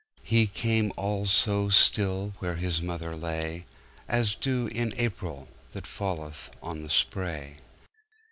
He came all so stillWhere His mother lay, As dew in AprilThat falleth on the spray.